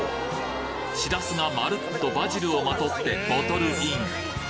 しらすがまるっとバジルをまとってボトルイン